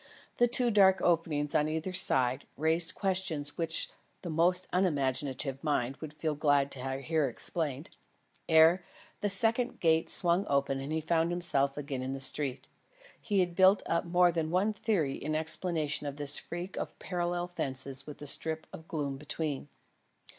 The two dark openings on either side, raised questions which the most unimaginative mind would feel glad to hear explained. Ere the second gate swung open and he found himself again in the street, he had built up more than one theory in explanation of this freak of parallel fences with the strip of gloom between.